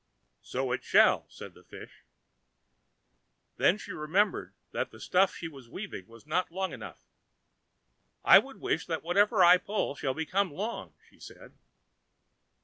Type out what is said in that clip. "So it shall," said the fish. And then she remembered that the stuff she was weaving was not long enough. "I would wish that whatever I pull shall become long," she said.